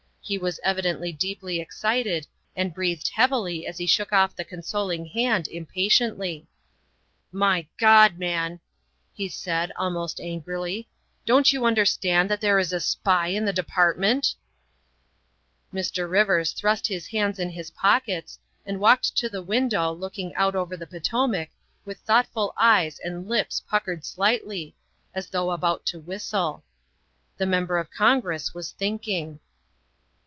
He was evidently deeply excited and breathed heavily as he shook off the consoling hand impatiently. '' My God, man, '' he said almost angrily, '' don 't you understand that there is a spy in the Department ?'' Mr. Rivers thrust his hands in his pockets and walked to the window looking out over the Potomac with thoughtful eyes and lips puckered slightly, as though about to whistle. The Member of Congress was thinking.